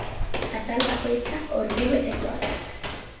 Atal bakoitza ordu betekoa da.